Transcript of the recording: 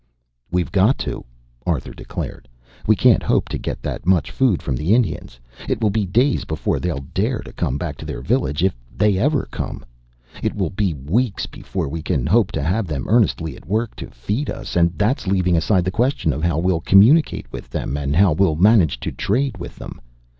"We've got to," Arthur declared. "We can't hope to get that much food from the Indians. It will be days before they'll dare to come back to their village, if they ever come. It will be weeks before we can hope to have them earnestly at work to feed us, and that's leaving aside the question of how we'll communicate with them, and how we'll manage to trade with them.